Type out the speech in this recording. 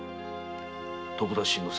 徳田新之助。